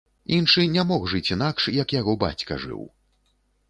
Іншы не мог жыць інакш, як яго бацька жыў.